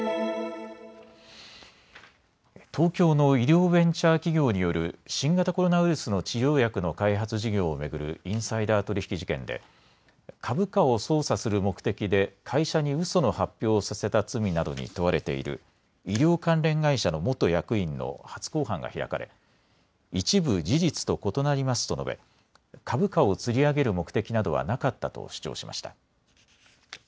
東京の医療ベンチャー企業による新型コロナウイルスの治療薬の開発事業を巡るインサイダー取引事件で株価を操作する目的で会社にうその発表させた罪などに問われている医療関連会社の元役員の初公判が開かれ一部事実と異なりますと述べ、株価をつり上げる目的などはなかったと主張しました。